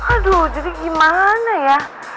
aduh jadi gimana ya